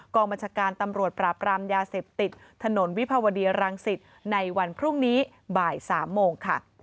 บัญชาการตำรวจปราบรามยาเสพติดถนนวิภาวดีรังสิตในวันพรุ่งนี้บ่าย๓โมงค่ะ